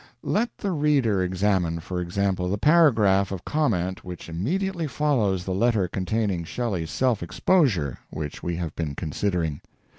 Let the reader examine, for example, the paragraph of comment which immediately follows the letter containing Shelley's self exposure which we have been considering.